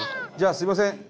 じゃあすいません